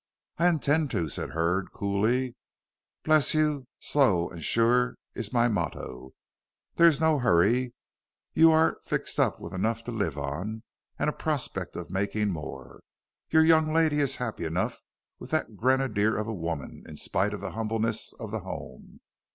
"I intend to," said Hurd, coolly. "Bless you, slow and sure is my motto. There's no hurry. You are fixed up with enough to live on, and a prospect of making more. Your young lady is happy enough with that grenadier of a woman in spite of the humbleness of the home.